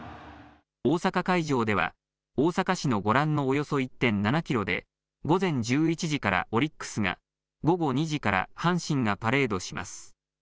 大阪会場では、大阪市のご覧のおよそ１．７キロで午前１１時からオリックスが午後２時から阪神がパレードします。